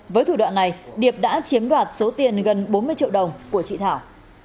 với thủ đoạn này điệp đã chiếm đoạt số tiền gần bốn mươi triệu đồng của chị thảo